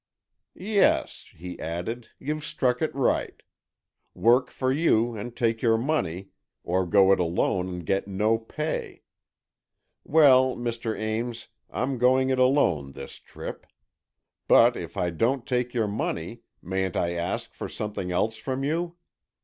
"Yes," he added, "you've struck it right. Work for you and take your money, or go it alone and get no pay. Well, Mr. Ames, I'm going it alone this trip. But, if I don't take your money, mayn't I ask for something else from you?